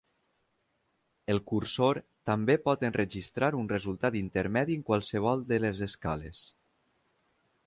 El cursor també pot enregistrar un resultat intermedi en qualsevol de les escales.